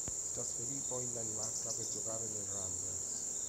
Si trasferì poi in Danimarca, per giocare nel Randers.